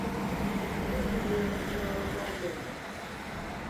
nke gụnyere ndị ọrụ gọọmenti